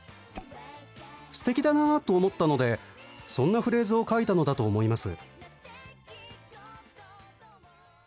すてきだなと思ったので、そんなフレーズを書いたのだと思います。